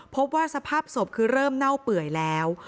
พบว่าสภาพศพคือเริ่มเน่าเปื่อยแล้ว